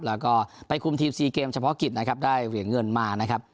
แล้วก็ไปคุมทีม๔เกมเฉพาะกิจนะครับได้เหรียญเงินมานะครับ